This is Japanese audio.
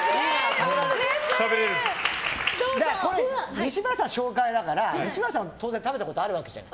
西村さんの紹介だから西村さんは当然食べたことあるわけじゃん。